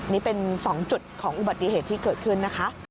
นี่เป็น๒จุดของอุบัติเหตุที่เกิดขึ้นนะคะ